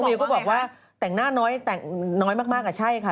วิวก็บอกว่าแต่งหน้าน้อยแต่งน้อยมากอ่ะใช่ค่ะ